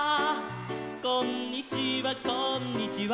「こんにちはこんにちは」